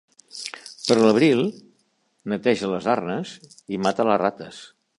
Per l'abril neteja les arnes i mata les rates.